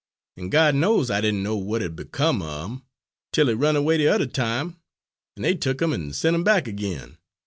An' God knows I didn' know what had become er 'im, 'tel he run away de yuther time an' dey tuck 'im an' sent 'im back again.